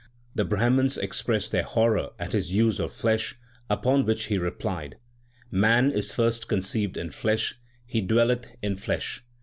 The Brahmans expressed their horror at his use of flesh, upon which he replied : Man is first conceived in flesh, he dwelleth in flesh.